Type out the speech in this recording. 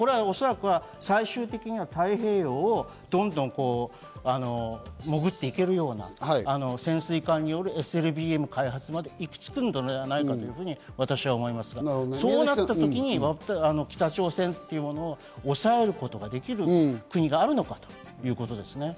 最終的には太平洋をどんどんと潜っていけるような潜水艦によるＳＬＢＭの開発まで行きつくのではないかと私は思いますが、そうなったとき北朝鮮というものを抑えることをできる国があるのかということですね。